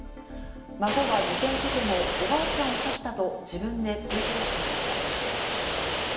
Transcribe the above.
孫は事件直後、おばあちゃんを刺したと自分で通報していました。